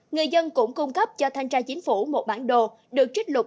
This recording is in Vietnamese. người dân cũng cung cấp cho thanh tra chính phủ một bản đồ được trích lục